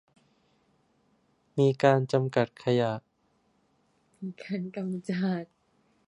มีการกำจัดขยะและ บำบัดน้ำเสียก่อนปล่อยลงท่อ